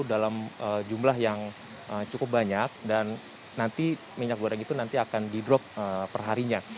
dalam jumlah yang cukup banyak dan nanti minyak goreng itu nanti akan di drop perharinya